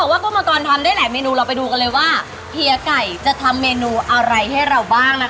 แต่ว่าก็มาก่อนทำได้หลายเมนูเราไปดูกันเลยว่าเฮียไก่จะทำเมนูอะไรให้เราบ้างนะคะ